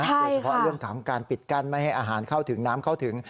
โดยเฉพาะเรื่องของการปิดกั้นไม่ให้อาหารเข้าถึงน้ำเข้าถึง